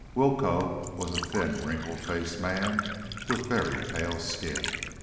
Willcoe was a thin, wrinkle faced man with very pale skin.